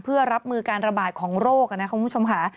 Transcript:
เพื่อรับมือการระบาดของโรคนะคุณผู้ชมค่ะ